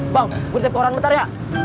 bang gue dapet koran bentar ya